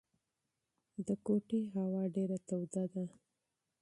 د کوټې هوا ډېره ګرمه ده.